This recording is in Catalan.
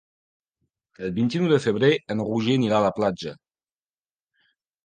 El vint-i-nou de febrer en Roger anirà a la platja.